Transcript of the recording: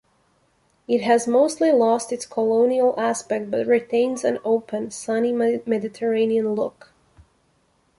It has mostly lost its colonial aspect, but retains an open, sunny Mediterranean look.